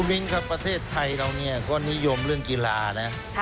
มิ้นครับประเทศไทยเราเนี่ยก็นิยมเรื่องกีฬานะ